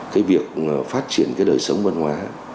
cái việc phát triển cái đời sống văn hóa